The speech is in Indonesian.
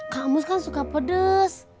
kang mus kan suka pedes